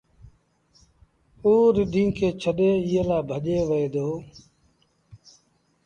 اوٚ رڍينٚ کي ڇڏي ايٚئي لآ ڀڄي وهي دو